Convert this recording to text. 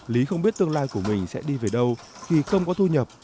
lý không biết tương lai của mình sẽ đi về đâu thì không có thu nhập